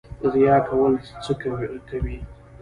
ریا کول څه کوي؟